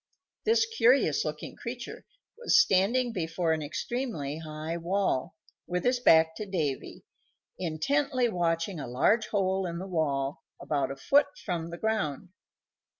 This curious looking creature was standing before an extremely high wall, with his back to Davy, intently watching a large hole in the wall about a foot from the ground.